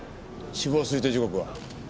死亡推定時刻は？